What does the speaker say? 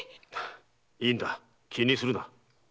いいんだ気にするな。